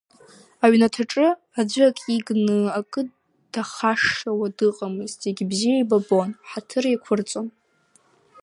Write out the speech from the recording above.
Аҩнаҭаҿы аӡәы акы игны, акы дахашшаауа дыҟамызт, зегьы бзиа еибабон, ҳаҭыр еиқәырҵон.